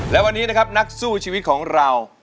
และวันนี้นะครับนักสู้ชีวิตของเรา